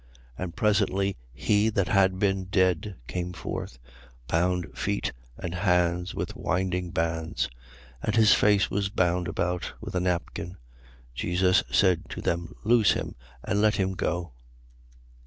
11:44. And presently he that had been dead came forth, bound feet and hands with winding bands. And his face was bound about with a napkin. Jesus said to them: Loose him and let him go.